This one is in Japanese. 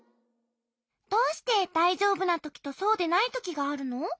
どうしてだいじょうぶなときとそうでないときがあるの？